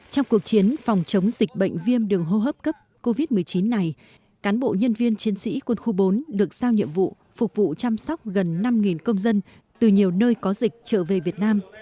trong cuộc chiến phòng chống dịch bệnh viêm đường hô hấp cấp covid một mươi chín này cán bộ nhân viên chiến sĩ quân khu bốn được sao nhiệm vụ phục vụ chăm sóc gần năm công dân từ nhiều nơi có dịch trở về việt nam